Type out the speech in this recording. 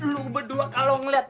lo berdua kalau ngelihat